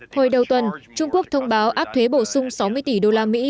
hồi đầu tuần trung quốc thông báo áp thuế bổ sung sáu mươi tỷ đô la mỹ